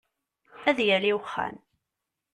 Ad yali wexxam!